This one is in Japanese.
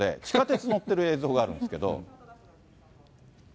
地下鉄乗ってる映像があるんですけど。